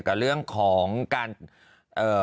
เช็ดแรงไปนี่